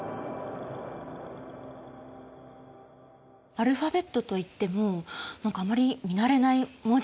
アルファベットといっても何かあまり見慣れない文字ですね。